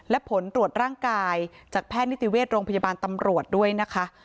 และผลตรวจร่างกายจากแพทย์นิติเวชโรงพยาบาลตำรวจด้วยนะคะ